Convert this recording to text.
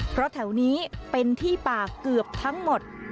เพราะแถวนี้เป็นที่ป่าเกือบทั้งหมด